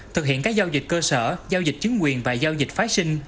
thực hiện các giao dịch cơ sở giao dịch chứng quyền và giao dịch phái sinh